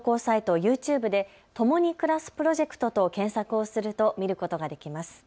ＹｏｕＴｕｂｅで共に暮らすプロジェクトと検索をすると見ることができます。